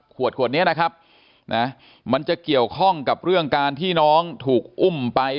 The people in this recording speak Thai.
ขวดขวดนี้นะครับนะมันจะเกี่ยวข้องกับเรื่องการที่น้องถูกอุ้มไป